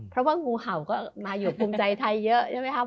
เพราะว่างูเห่าก็มาอยู่ภูมิใจไทยเยอะ